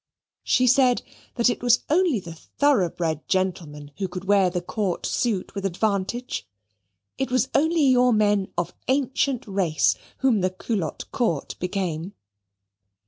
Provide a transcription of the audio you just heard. She said that it was only the thoroughbred gentleman who could wear the Court suit with advantage: it was only your men of ancient race whom the culotte courte became.